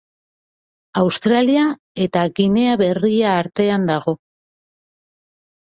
Australia eta Ginea Berria artean dago.